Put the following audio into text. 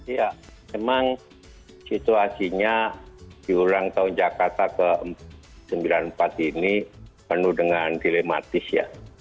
ya memang situasinya di ulang tahun jakarta ke sembilan puluh empat ini penuh dengan dilematis ya